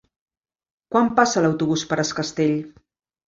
Quan passa l'autobús per Es Castell?